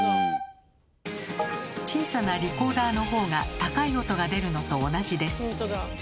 小さなリコーダーの方が高い音が出るのと同じです。